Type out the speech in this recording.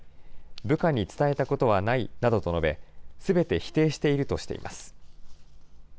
部下に伝えたことはないなどと述べ、すべて否定しているとしています。